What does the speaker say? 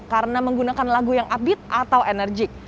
karena menggunakan lagu yang upbeat atau enerjik